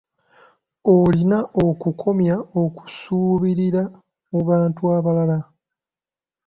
Olina okukomya okusuubirira mu bantu abalala.